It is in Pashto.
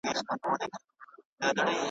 نن که سباوي زموږ ځیني تله دي .